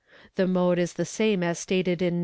The mode is the — same as stated in No.